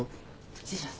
失礼します。